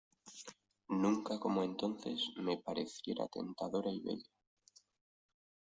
nunca como entonces me pareciera tentadora y bella.